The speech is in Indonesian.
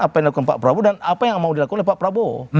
apa yang dilakukan pak prabowo dan apa yang mau dilakukan oleh pak prabowo